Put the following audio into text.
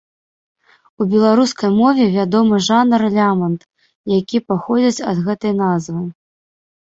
У беларускай мове вядомы жанр лямант, які паходзіць ад гэтай назвы.